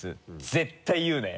絶対言うなよ。